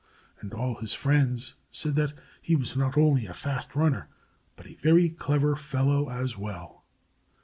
And all his friends said that he was not only a fast runner, but a very clever fellow as well.